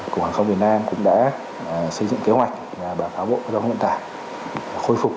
cục hàng không việt nam cũng đã xây dựng kế hoạch và báo bộ các đông nguyện tải khôi phục